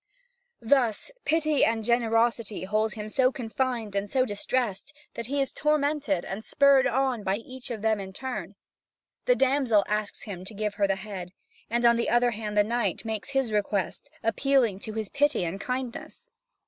Thus, pity and generosity hold him so confined and so distressed that he is tormented and spurred on by each of them in turn. The damsel asks him to give her the head, and on the other hand the knight makes his request, appealing to his pity and kindness.